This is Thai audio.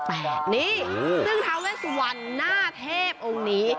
ซึ่งท้าเวสวรหน้าเทพองค์นี้